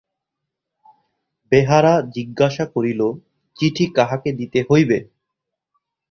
বেহারা জিজ্ঞাসা করিল, চিঠি কাহাকে দিতে হইবে।